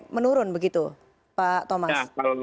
menurun begitu pak thomas